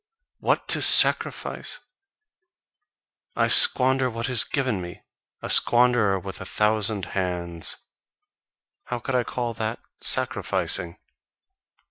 What to sacrifice! I squander what is given me, a squanderer with a thousand hands: how could I call that sacrificing?